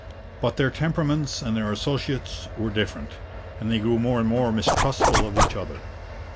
But their temperaments and their associates were different, and they grew more and more mistrustful of each other.